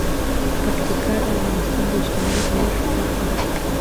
پکتیکا د افغانستان د اجتماعي جوړښت برخه ده.